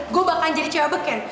gue bakal jadi cewek beken